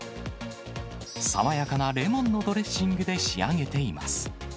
爽やかなレモンのドレッシングで仕上げています。